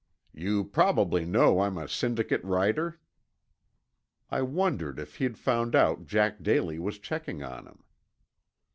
"You probably know I'm a syndicate writer?" I wondered if he'd found out Jack Daly was checking on him.